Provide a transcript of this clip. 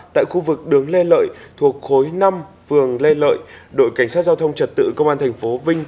tại khu vực đường lê lợi thuộc khối năm phường lê lợi đội cảnh sát giao thông trật tự công an tp vinh